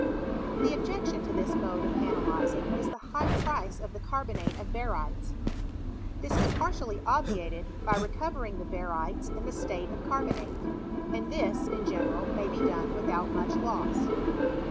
The objection to this mode of analyzing is the high price of the carbonate of barytes. This is partly obviated by recovering the barytes in the state of carbonate; and this, in general, may be done, without much loss.